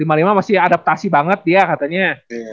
e lima puluh lima masih adaptasi banget dia katanya